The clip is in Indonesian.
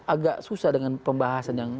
agak susah dengan pembahasan yang